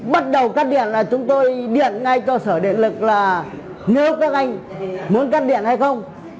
bắt đầu cắt điện là chúng tôi điện ngay cơ sở điện lực là nếu các anh muốn cắt điện hay không